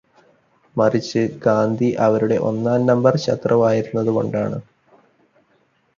മറിച്ച് ഗാന്ധി അവരുടെ ഒന്നാം നമ്പര് ശത്രുവായിരുന്നതു കൊണ്ടാണ്.